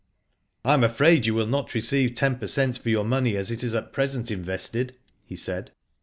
"I am afraid you will not receive ten per cent, for your money as it is at present invested/' he said.